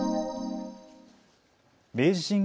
明治神宮